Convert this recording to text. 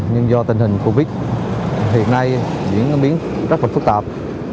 nhưng do tình hình covid hiện nay diễn biến rất là phức tạp